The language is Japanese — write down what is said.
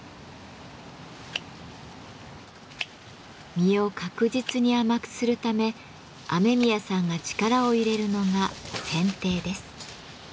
実を確実に甘くするため雨宮さんが力を入れるのが「剪定」です。